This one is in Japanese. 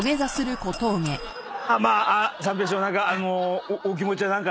まあ三平師匠何かあの。